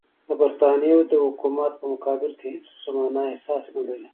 د برټانیې د حکومت په مقابل کې هېڅ خصمانه احساس نه لري.